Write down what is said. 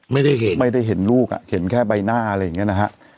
ไม่ได้เห็นไม่ได้เห็นลูกอ่ะเห็นแค่ใบหน้าอะไรอย่างนี้นะฮะ